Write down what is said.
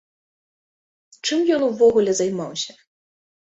Чым ён увогуле займаўся?